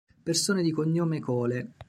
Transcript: Persone di cognome Cole